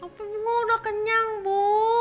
tapi saya udah kenyang bu